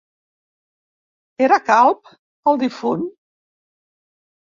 Era calb, el difunt?